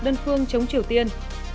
đơn phương chống triều tiên